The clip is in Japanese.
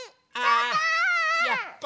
やった！